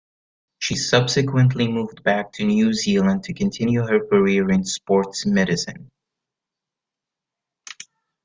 She subsequently moved back to New Zealand to continue her career in sports medicine.